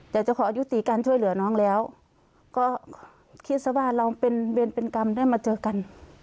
แต่จะขอยุติการช่วยเหลือน้องแล้วก็คิดซะว่าเราเป็นเวรเป็นกรรมได้มาเจอกัน